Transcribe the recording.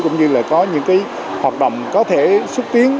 cũng như là có những hoạt động có thể xúc tiến